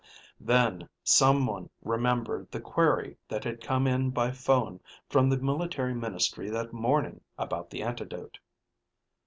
Then someone remembered the query that had come in by phone from the military ministry that morning about the antidote.